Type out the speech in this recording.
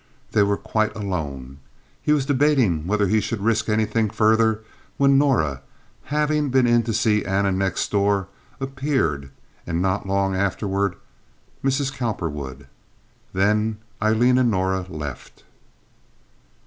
They were quite alone. He was debating whether he should risk anything further when Norah, having been in to see Anna next door, appeared and not long afterward Mrs. Cowperwood. Then Aileen and Norah left.